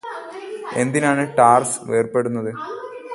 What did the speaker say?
എന്തിനാണ് ടാര്സ് വേര്പെടുന്നത്